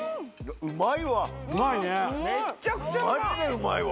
うまいわ。